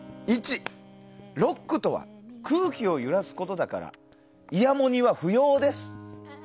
１、ロックとは空気を揺らすことだからイヤモニは不要です。